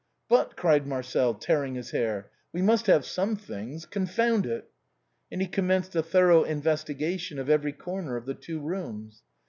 " But," cried Marcel, tearing his hair, " we must have some things — confound it !" And he commenced a thor ough investigation of every corner of the two rooms.